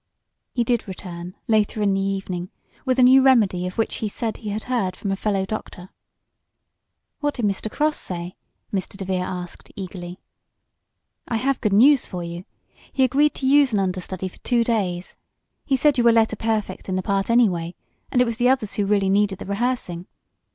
He did return, later in the evening, with a new remedy of which he said he had heard from a fellow doctor. "What did Mr. Cross say?" Mr. DeVere asked eagerly. "I have good news for you. He agreed to use an understudy for two days. He said you were letter perfect in the part, anyway, and it was the others who really needed the rehearsing.